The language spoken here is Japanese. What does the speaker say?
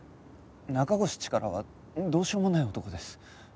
中越チカラはどうしようもない男です。